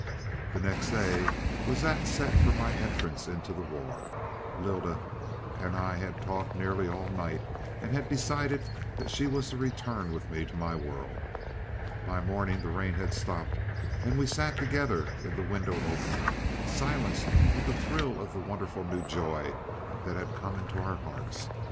"The next day was that set for my entrance into the war. Lylda and I had talked nearly all night, and had decided that she was to return with me to my world. By morning the rain had stopped, and we sat together in the window opening, silenced with the thrill of the wonderful new joy that had come into our hearts.